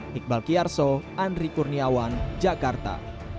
iqbal kiarso andri kurniawan jakarta